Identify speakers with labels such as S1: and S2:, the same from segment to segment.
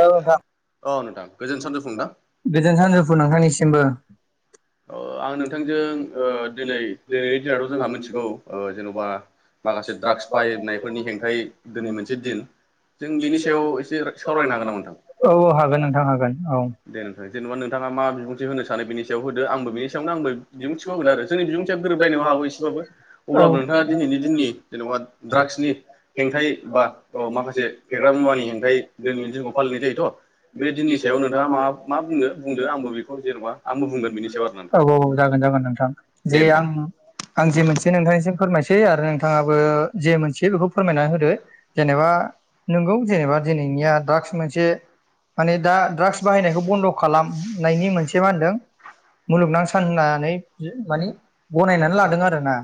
S1: औ नोंथां। गोजोन सानजौफु नोंथांनिसिमबो।
S2: आं नोंथांजों दिनै दिनैनि दिनावथ' जोंहा मिथिगौ जेन'बा माखासे द्राग्स बाहायनायफोरनि हेंथाय दिनै मोनसे दिन जों बिनि सायाव एसे
S1: औ औ हागोन नोंथां हागोन औ।
S2: दे नोंथां जेनेबा नोंथाङा मा बिबुंथि होनो सानो बेनि सायाव हो दो आंबो बेनि सायावनो आंबो बिबुंथिखौ होगोन आरो जोंनि बिबुंथिया गोरोबलायनोबो हागौ एसेबाबो अब्लाबो नोंथाङा दिनैनि दिन नि जेन'बा ड्राग्सनि हेंथायै बा माखासे फेग्रा मुवानि हेंथायै दिनैनि दिनखौ फालिनाय जायोथ' बे दिननि सायाव नोंथाङा मा मा बुंनो बुंदो आंबो बेखौ जेन'बा आंबो बुंगोन बेनि
S1: औ औ जागोन जागोन नोंथां जे आं आं जे मोनसे नोंथांनिसिम फोरमायसै आरो नोंथाङाबो जे मोनसे बेखौ फोरमायनानै होदो जेनेबा नोंगौ जेनेबा दिनैनिया द्राग्स मोनसे माने दा ड्राग्स बाहायनायखौ बन्द' खालामनायनि मोनसे मा होनदों मुलुगनां सान होननानै माने गनायनानै लादों आरो ना।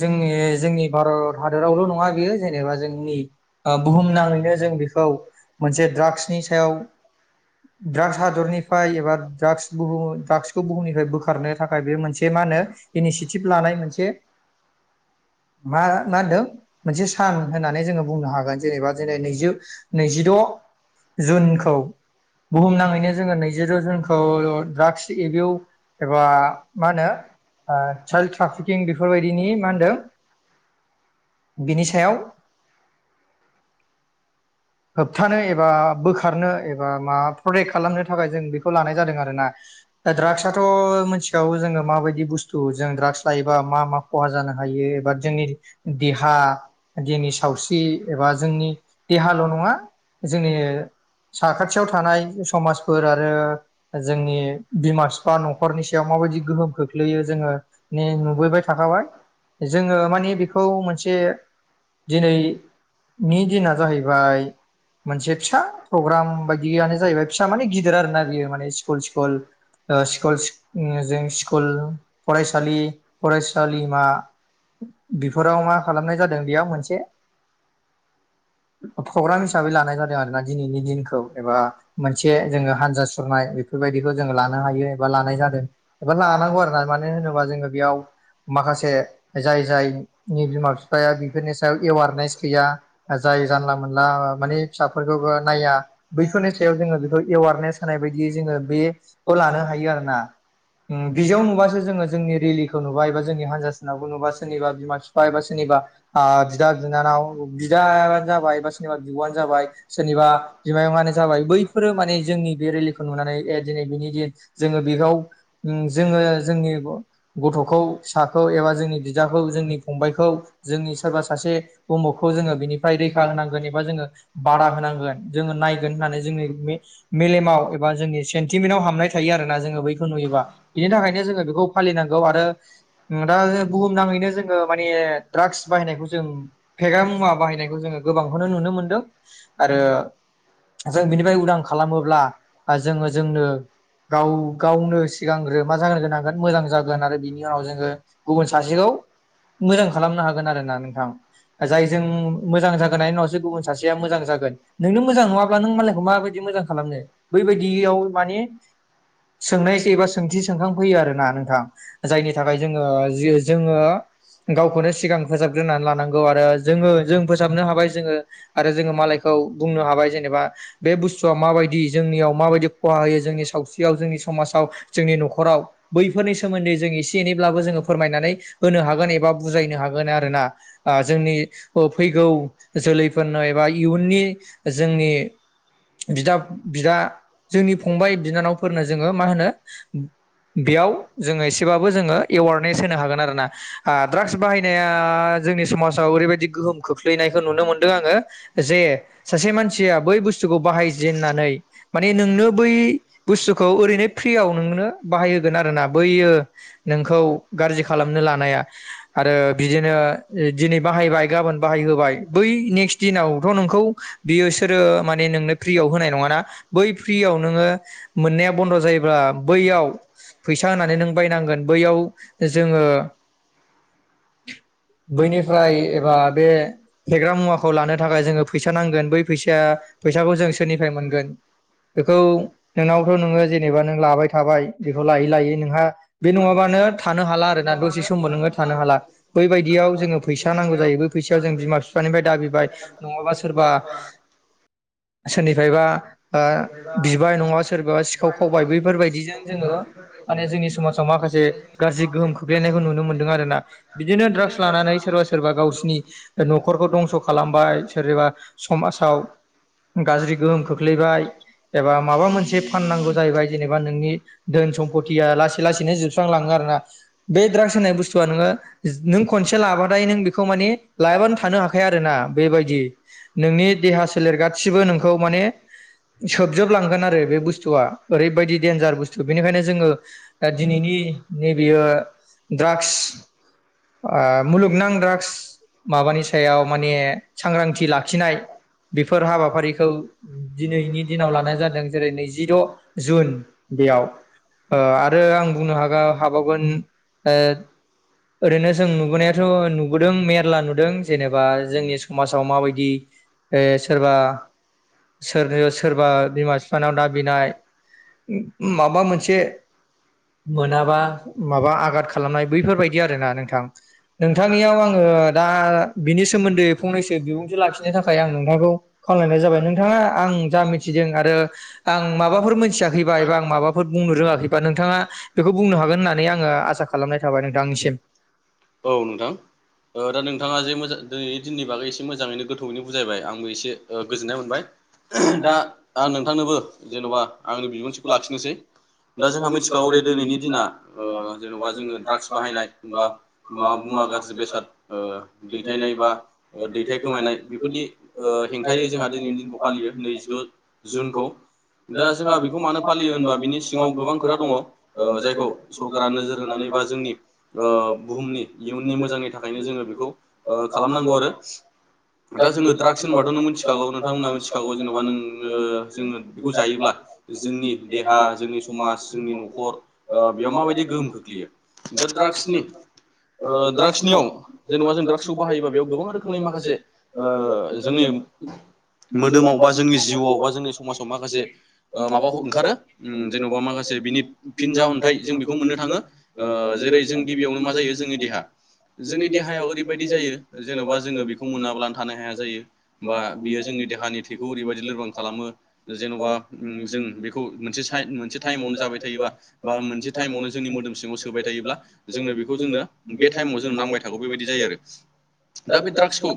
S1: जोंनि जोंनि भारत हादरावल' नङा बेयो जेनेबा जोंनि बुहुमनााङैनो जों बेफोर खौ मोनसे ड्राग्सनि सायाव ड्रागस हादरनिफ्राय एबा ड्रागस बुहुम ड्रागसखौ बुहुम निफ्राय बोखारनो थाखाय बे मोनसे मा होनो इनिसियेटिभ लानाय मोनसे मा मा होनदों मोनसे सान होननानै जोङो बुंनो हागोन जेनेबा दिनै नैजौ नैजिद' जुनखौ बुहुमनाङैनो जोङो नैजिद' जुनखौ ड्राग्स एभउ एबा मा होनो चाइल्ड ट्राफिकिं बेफोरबायदिनि मा होनदों
S2: [inaudible]
S1: बिनि सायाव होबथानो एबा बोखारनो एबा माबा प्रटेक्ट खालामनो थाखाय जों बेखौ लानाय जादों आरोना। दा ड्राग्सथ' मिथिखागौ जोङो माबायदि बुस्थु जों ड्राग्स लायोबा मा-मा खहा जानो हागौ। हायो एबा जोंनि देहा जोंनि सावस्रि एबा जोंनि देहाल' नङा नङा जोंनि साखाथियाव थानाय समाजफोर आरो जोंनि बिमा बिफा न'खरनि सायाव म माबायदि गोहोम खोख्लैयो जोङो ने नुबोबाय थाखाबाय। जोङो माने बेखौ मोनसे दिनैनि दिना जाहैबाय
S2: [inaudible]
S1: मोनसे फिसा प्रग्राम बायदियानो जाहैबाय फिसा माने गिदिर आरो ना बियो माने स्कुल-स्कुल ओ स्कुल जों स्कुल फरायसालि फरायसालिमा बेफोराव मा खालामनाय जादों बेयाव मोनसे प्रग्राम हिसाबै लानाय जादों आरोना दिनैनि दिनखौ एबा मोनसे जोङो हानजा सुरनाय बेफोर बेफोरबायदिखौ जोङो लानो हायो एबा लानाय जादों एबा लानांगौ आरोना मानो होनोबा जोङो बेयाव माखासे जाय-जायनि बिमा बिफाया बेफोरनि सायाव एवारनेस गैया जाय ला माने फिसाफोरखौबो नाया बैफोरनि सायाव जोङो बेखौ एवारनेस होनाय बायदियै जोङो बे लानो हायो आरोना। ओ बिजयाव नुबासोङो जों रेलिखौ नुबा एबा जोंनि हजा सुनाखौ नुबा सोरनिबा बिमा बिफा एबा सोरनिबा एबा बिदा बिनानाव बिदायानो जाबाय सोरनिबा बिबवानो जाबाय सोरनिबा बिमायंआनो जाबाय बैफोरो माने जोंनि बे रेलिखौ नुनानै ए दिनै बिनो दिन जोङो बेखौ जोङो जोंनि गथ'खौ फिसाखौ एबा जोंनि बिदाखौ जोंनि फंबायखौ जोंनि सोरबा सासे उमुगखौ जोङो बिनिफ्राय रै जेनेबा जोङो बादा होनांगोन जोंङो नायगोन होननानै जोंनि मे मेलेमाव एबा जोंनि सेन्टिमेन्टआव हाबनाय थायो आरो जोङो बै नुयोबा बिनि थाखायनो जोङो बेखौ फालिनांगौ आरो नुना बुहुमनाङैनो जोङो माने ए माने द्रागस बाहायनायखौ जों फेग्रा मुवा बायनायखौ जोङो गोबां गोबांखौनो नुनो मोनदों आरो जों बिनिफ्राय उदां खालामोब्ला बा जोङो जोंनो गाव गावनो सिगांग्रो मा जाग्रोन नांगोन मोजां जागोन आरो बिनि उनाव जोङो गुबुन सासेखौ मोजां खालामनो हागोन आरो ना नोंथां जायजों मोजां जागोनायनि उनाव‌ गुबुन सासे मोजां जागोन नोंनो मोजां नङाब्ला नों मालायखौ माबायदि मोजां खालामनो बैबायदियाव माने [unintelligible]
S2: [inaudible]
S1: सोंनायसै एबा सोंथि सोंखां फैयो आरो ना नोंथां जायनि थाखाय जोङो जि जोङो गावखौनो सिगां फोसाबग्रोनानै लानांगौ आरो जोङो जों फोसाबनो हाबाय जोङो आरो जोङो मालायखौ बुंनो हाबाय जेनेबा बे बुस्थुआ माबायदि जोंनियाव माबायदि खहा होयो जों जोंनि सावस्रियाव जोंनि समाजाव जोंनि न'खराव बैफोरनि सोमोन्दै जों एसे एनैब्लाबो जोङो फोरमायनानै होनो हागोन एबा बुजायनो हागोन आरो ना आ जोंनि ओ फैगौ जोलै फोरनो एबा इयुननि जोंनि बिदा बिदा जोंनि फंबाय- बिनानावफोरनो जोङो मा होनो बेयाव जोङो एसेबाबो जोङो एवारनेस होनो हागोन आरो ना द्राक्स बाहायनाया जोंनि समाजाव ओरैबायदि गोहोम खोख्लैनायखौ नुनो मोनो आङो जे सासे मानसिया बै बुस्थुखौ बाहायजेननानै माने नोंनो बै बै बुस्टुखो खौ ओरैनो फ्रियाव नोंनो बाहायहोगोन आरोना बैयो नोंखौ गाज्रि खालामनो लानाया। आरो बिदिनो दिनै बाहायबाय गाबोन बाहाय होबाय बै नेक्स्ट दिनावथ' नोंखौ बियोसोरो माने नोंनो फ्रियाव होनाय नङाना बै फ्रियाव नोङो ओ मोननाया बन्द' जायोब्ला बैयाव फैसा होनानै नों बायनांगोन बैयाव जोङो
S2: [inaudible]
S1: बैनिफ्राय एबा बे फेग्रा मुवाखौ खौ लानो थाखाय जोङो फैसा नांगोन बै फैसा फैसाखौ जों सोरनिफ्राय मोनगोन बेखौ नोंनावथ' नोङो जेनेबा नों लाबाय थाबाय बेखौ लायै लायै नोंहा बे नङाबानो थानो हाला आरोना दसे समबो नोङो थानो हाला बैबायदियाव जोङो फैसा नांगौ जायोबो फैसायाव जों बिमा बिफानिफ्राय दाबिबाय नङाबा सोरबा सोरनिफ्रायबा ओ‌ बिबाय नङा सोरबबा सिखाव खावबाय बैफोरबायदिजों जोङो माने जोंनि समाजाव माखासे गाज्रि गोहोम खोख्लैनायखौ नुनो मोन्दों आरोना बिदिनो ड्राग्स लानानै सोरबा सोरबा गावसिनि न'खरखौ दंस' खालामबाय सोरनिबा समाजाव गाज्रि गोहोम खोख्लै लैबाय एबा माबा मोनसे फाननांगौ जाहैबाय जेनेबा नोंनि धोन सम्पथिया लासै लासैनो जोबस्रांलाङो आरो बे द्रागस होननाय बुसथुवा नोङो नों खनसे लाबाथाय नों बेखौ माने लायाबानो थानो हाखाया आरो आरोना बेबायदि नोंनि देहा सोलेर गासिबो नोंखौ माने सोबजोबलांगोन आरो बे बुस्थुआ ओरैबायदि देन्जार बुस्थु बेनिखायनो जोङो दिनि बिनि नै बेयो द्रागस मुलुगनां द्रागस माबानि सायाव माने सांग्रांथि लाखिनाय बेफोर हाबाफारिखौ दिनैनि दिनाव लानाय जादों जेरै नैजिद' जुन बेयाव ओ आरो आं बुंनो हागाव हाबावगोन ओ ओरैनो जों नुबोनायाथ' नुबोदों मेरला नुदों जेनेबा बा जोंनि समाजाव माबायदि ओ सोरबा सोरनो सोरबा बिमा फिफानाव दाबिनाय माबा मोनसे मोनाबा माबा आघाद खालामनाय बैफोरबायदि आरोना नोंथां नोंथांनियाव आङो दा बिनि सोमोन्दै फंनैसो बिबुंथि लाखिनो थाखाय आं नोंथांखौ खालामावलायनाय जाबाय नोंथां नोंथाङा आं जा मिथिदों आरो आं माबाफोर मोनथियाखैबा एबा आं माबाफोर बुंनो रोङाखैबा नोंथाङा नोंथाङा बेखौ बुंनो हागोन होननानै आङो आसा खालामनाय थाबाय नोंथांनिसिम
S2: औ नोंथां ओ दा नोंथाङा गाज्रि मोजा दिनै दिननि बागै एसे मोजाङैनो गोथौयैनो बुजायबाय आंबो एसे गोजोननाय मोनबाय दा आं नोंथांनोबो जेन'बा आंनि बिबुंथिखौ लाखिनोसै दा जोंहा मिथिखागौ दे दिनैनि दिना जेन'बा जोङो द्राग्स बाहायनाय माबा मा मुवा गाज्रि बेसाद ओ दैथायनाय बा दैथाय खोमायनाय बेफोरनि ओ हेंथाय जों जोंहा दिनैनि दिनखौ फालियो नैजिद' जुनखौ दा जोंहा बेखौ मानो फालियो होनबा बिनि सिङाव गोबां खोथा दङ जायखौ सरकारा नोजोर होनानै एबा जोंनि ओ बुहुमनि इयुननि मोजांनि थाखायनो जोङो बेखौ खालामनांगौ आरो दा जोङो द्राग्स होनबाथ' नों मिथिखागौ नोंथांमोनहा मिथि खागौ जेन'बा नोङ जोङो बेखौ जायोब्ला जोंनि देहा जोंनि समाज जोंनि न'खर खर ओ बेयाव माबायदि गोहोम खोख्लैयो दा ड्राग्सनि ओ ड्राग्सनियाव जेनेबा जों ड्राग्सखौ बाहायोबा बेयाव गोबां रोखोमनि माखासे जोंनि [inaudible] मोदोमाव बा जोंनि जिउआव बा जोंनि समाजाव माखासे ओ माबा ओंखारो ओम जेनबा माखासे बिनि फिनजाउन्थाइ जों बेखौ मोननो थाङो ओ जेरै जों गिबियावनो मा जायो जोंनि देहा जोंनि देहायाव ओरैबायदि जायो जेन'बा जोङो बेखौ मोनाब्लानो थानो हाया जायो बा बियो जोंनि देहा देहानि थैखौ ओरैबायदि लोरबां खालामो जेन'बा ओम जों बेखौ मोनसे साइम मोनसे टाइमावनो जाबाय थायोबा बा मोनसे टाइमावनो जोंनि मोदोम सिङाव सोबाय थायोब्ला जोंनो बेखौ जोंनो बेमाव जों नांबाय बेबायदि जायो आरो दा बे ड्राग्सखौ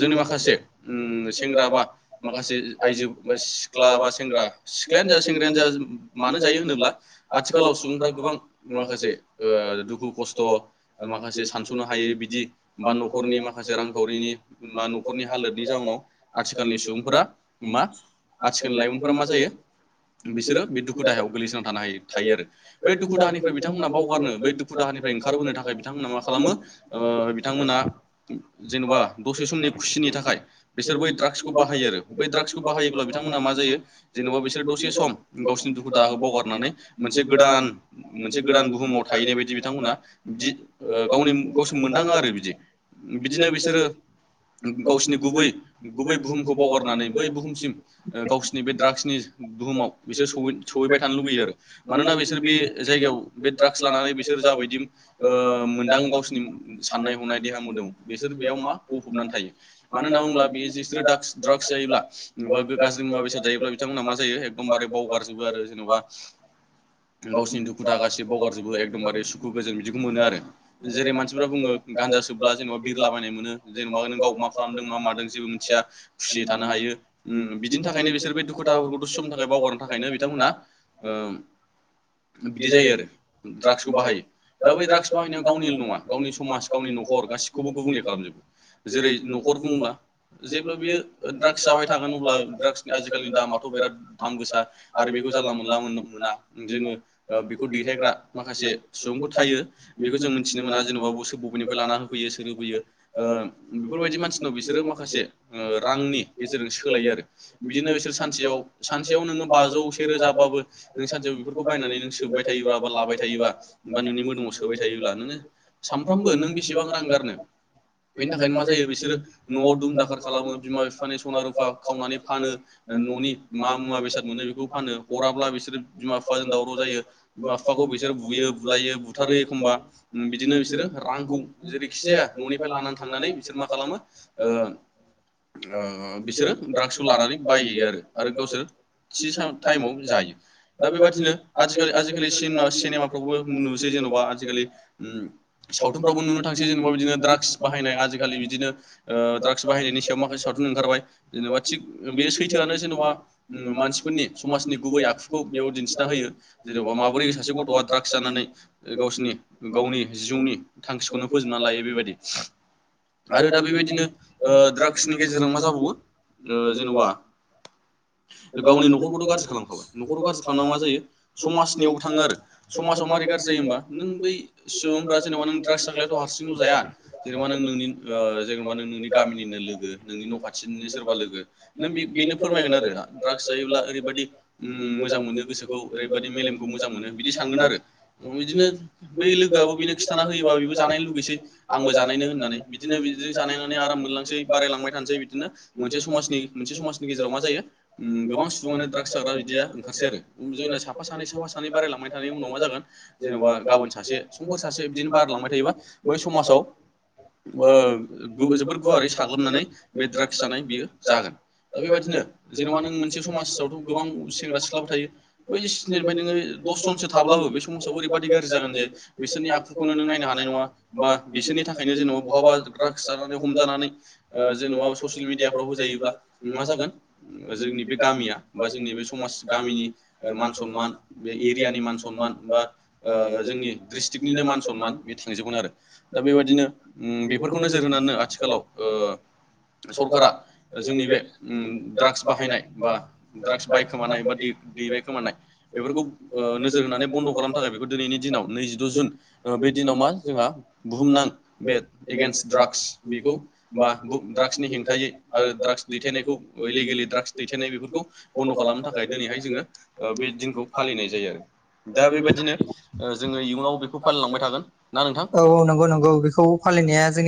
S2: जोंनि माखासे सेंग्रा ओम सेंग्रा बा माखासे आइजो सिख्ला बा सेंग्रा सिख्लायानो जा सेंग्रायानो जा मानो जायो होनोब्ला आथिखालाव सुबुंफ्रा गोबां माखासे दुखु खस्थ' माखासे सानस'नो हायो बिदि बा न'खरनि माखासे रांखावरिनि बा न'खरनि हालोदनि जाउनाव आथिखालनि सुबुं फोरा मा आथिखालनि लाइमोनफोरा मा जायो बिसोरो बे दुखु दाहायाव गोलैसोनानै थानो हायो थायो आरो बै दुखु दाहानिफ्राय बिथांमोना बावगारनो बै दुखु दाहानि ओंखारबोनो थाखाय बिथांमोना मा खालामो ओ बिथांमोना जेनेबा दसे समनि खुसि नि थाखाय बिसोर बै ड्राग्सखौ बाहायो आरो। बे ड्राग्सखौ बाहायोब्ला बिथांमोना मा जायो जेनेबा बिसोर दसे सम गावसिनि दुखु दाहाखौ बावगारनानै। मोनसे गोदान मोनसे गोदान बुहुमाव थाहैनाय बायदि बिथांमोना बिदि गावनि गावसो मोनदां आरो बिदि बिदिनो बिसोरो गावसिनि गुबै
S1: [inaudible] [inaudible] [unintelligible] [unintelligible]
S2: ड्राग्स जायोब्लाेनबा बा बे गाज्रि मुवा बेसाद जायोब्ला बिथांमोनहा मा जायो एकदमबारे बावगारजोबो आरो जेनेबा [inaudible] गावसिनि दुखु दाहा गासैखौबो बावगारजोबो एकदमबारे सुखु गोजोन बिदिखौ मोनो आरो जेरै मानसिफ्रा बुङो गा [inaudible] जेनजा सोब्ला जेनेबा बिरला बायनाय मोनो जेनेबा नों गाव मा खालामदों मा मादों जेबो मिथिया। खुसियै थानो हायो उम बिदिनि थाखायनो बिसोर बै दुखु दाहाफोरखौ समनि थाखाय बावगारनो थाखायनो बिथांमोनहा बिदि जायो आरो द्राग्सखौ बाहायो। दा बै ड्राग्स बाहायनायाव गावनिल' नङा गावनि समाज गावनि न'खर गासिखौब गुबुंले खालामजोबो जेरै न'खर ड बुंला जेब्ला बियो ड्राग्स जाबाय थागोन अब्ला ड्राग्सनि आजिखालिनि दामाथ' बिराद दाम गोसा आरो बेखौ जानला मोनला मोन मोना जोङो बेखौ दैथायग्रा माखासे सुबुंफोर थायो बेखौ जों मिथिनो मोना जेन'बा ब बबेनिफ्राय लाना होफैयो बिसोरो बैयो बेफोरबाय बिसोर मखासे। रांनि गेजेरजों सोलायो आरो बिदिनो बिसोर सानसेयाव सानसेयाव नोङो बाजौ से रोजाबाबो नों सानसेयाव बेफोरखौ बायनानै नों सो सोबाय थायोबा बा लाबाय थायोबा बा नोंनि मोदोमाव सोबाय थायोब्ला नोङो सानफ्रामबो नों बेसेबां रांग गार नों बेनि थाखायनो मा जायो बिसोमढ़रो न'आव दुम दाखार खालामो। बिमा बिफानि सना रुफा खावनानै फानो न'नि मा मुवा बेसाद मोनो बेखौ फानो हराब्ला बिसोर बिसोर बिमा बिफाजों दावराव जायो। बिमा बिफाखौ बिसोर बुयो बुलायो बुथारो एखमबा बिदिनो बिसोरो रांखौ जेरैखि जाया न'निफ्राय लानानै थांनानै बिसोर मा खालामो ओ ओ बिसोरो द्राग्सखौ लानानै बायहैयो आरो आरो गावसोर थि टाइमाव जायो दा बेबादिनो आथि आजिखालि सिनेमाफ्रावबो नुसै जेन'बा आजिखालि सावथुनावबो नुनो थांसै जों बिदिनो ड्रागस बायनाय आजि खालि बिदिनो ओ ड्रास बाहायनायनि सायाव माखासे। सावथुन ओंखारबाय जेनेबा थिग बे सैथोआनो जेनेबा ओ मानसिफोरनि समाजनि गुबै आखुखौ। बेयाव दिन्थिना होयो। जेन'बा माबोरै सासे गथ'आ ड्राग्स जानानै गावसिरनि गावनि जिउनि थांखिखौनो फोजोबना ला लायो बेबादि आरो दा बेबायदिनो ओ ड्रागस नि गेजेराव मा जाबावो जेनेबा गावनि न'खरखौथ' गाज्रि खालामखाबाय न'खरखौ गाज्रि खालामना मा जायो समाजनियावबो थाङो आरो समाजाव मारोरै गाज्रि जायो होमबा नों बै सुबुंफोररा जेनेबा नों द्राग्स जाख्लायथ' हारसिं ल' जाया जेनेबा नों नोंनि जेनेबा नों नोंनि गामिनिनो लोगो नोंनि न' खाथिनिनो सोरबा लोगो नों बेनो फोरमायगोन आरो ड्राग्स जायोब्ला ओरैबायदि ओम मोजां मोनो गोसोखौ एरैबायाददि मेलेमखौ मोजां मोनो बिदि सानगोन आरो बिदिनो बै लोगोआबो बिनो खिथा होयोबा बेबो जानायानो लुगैसै आंबो जानायनो होननानै बिदिनो बि जानायनानै आराम मोनलांसै बारायलांबाय थानो जायो बिदिनो मोनसे समजनि मोनसे समाजनि गेजेराव मा जायो गोबां सुबुङानो द्राग्स जाग्रा बिदि ओंखार आरो जोंना साफा सा सानै सा सानै बारायलांबाय थानाय उनाव मा जागोन जेन'बा गाबोन सासे समफोर सासे बिदिनो बारलांबाय थायोबा बै समाजाव जोबोर गुवारै साग्लोबनानै बे ड्राग्स जानाय बियो जागोन। दा बेबायदिनो जेनेबा नों मोनसे समाजावथ' गोबां सेंग्रा सिख्लाफोर थायो बेबायदि। बिनिफ्राय नोङो दस जनसो थाब्लाबो बे समाजाव ओरैबाददि गाज्रि जागोन जे बिसोरनि आखुखौनो नों नायनो हानाय नङा। बा बिसोरनि थाखायनो जेन'बा बहाबा द्राग्स जानानै हमजानानै जेन'बा ससियेल मिडियाफ्राव होजायोब्ला मा जागोन जोंनि बे गामिया बा जोंनि बे समाज ग गामिनि सनमान बे एरियानि मान सनमान बा जोंनि डिस्ट्रिक्टनिनो मान सनमान बे थांजोबग दा बेबायाददिनो बेफोरखौ नोजोर होनानै आथिखालाव सरकारा जोंनि बे ड्राग्स बाहायनाय बा ड्राग्स बायखोमानाय बा दै दैबायखोमानाय बेफोरखौ नोजोर होनानै बन्द' खालामनो थाखाय बेखौ दिनैनि दिनाव नैजिद' जुन बे दिनाव मा जोंहा बुहुमनां बे एगन्स् द्राकगस बेखौ बा ड्राग्सनि हेंथायै आरो ड्राग्स दैथायनायखौ इलिगेलि ड्राग्स दैथायनाय बेफोरखौ बन्द' खालामनो थाखाय दिनैहाय जोङो बे फालिनाय जायो आरो। दा बेबायदिनो जोङो इयुनाव बेखौ फालिलांबाय थागोन ना नोंथां।
S1: फालिनाया जोंनि